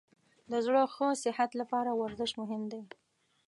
د زړه ښه صحت لپاره ورزش مهم دی.